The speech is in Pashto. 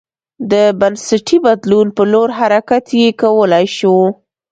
د بنسټي بدلون په لور حرکت یې کولای شو